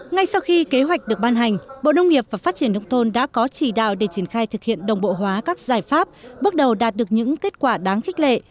ngay sau khi kế hoạch được ban hành bộ nông nghiệp và phát triển nông thôn đã có chỉ đạo để triển khai thực hiện đồng bộ hóa các giải pháp bước đầu đạt được những kết quả đáng khích lệ